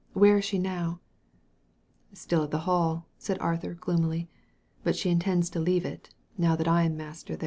Where is she now ?" "StUl at the Hall," said Alder, gloomily; •'but she intends to leave it, now that I am master there."